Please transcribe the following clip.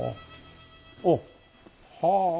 おっ！はあ。